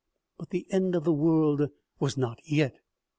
But the end of the world was not yet.